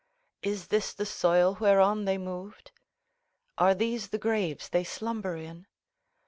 Is this the soil whereon they moved? Are these the graves they slumber in?